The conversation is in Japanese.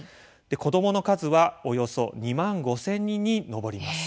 子どもの数はおよそ２万５，０００人に上ります。